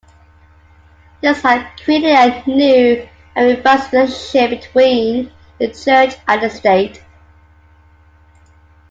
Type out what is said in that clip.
This has created a new and revised relationship between the Church and the State.